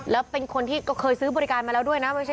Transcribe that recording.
แล้วเป็นคนที่ก็เคยซื้อบริการมาแล้วด้วยนะ